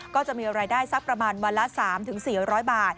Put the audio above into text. ก็จะมีรายได้สักประมาณวันละ๓๔๐๐บาท